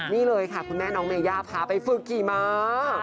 นี่เลยค่ะคุณแม่น้องเมย่าพาไปฝึกขี่ม้า